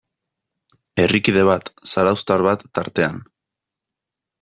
Herrikide bat, zarauztar bat tartean.